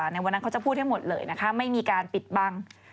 ในวันนั้นเขาจะพูดให้หมดเลยนะคะไม่มีการปิดบัง